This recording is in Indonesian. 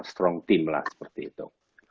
strong team lah seperti itu